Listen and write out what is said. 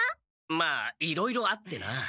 まあいろいろあってな。